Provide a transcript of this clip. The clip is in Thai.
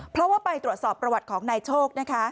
เพราะว่าไปตรวจสอบประวัติของนายโชคนะคะ